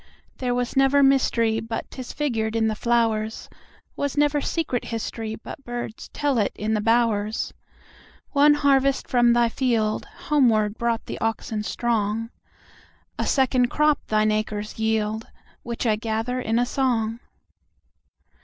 There was never mysteryBut 'tis figured in the flowers; SWas never secret historyBut birds tell it in the bowers. One harvest from thy fieldHomeward brought the oxen strong;A second crop thine acres yield, Which I gather in a song.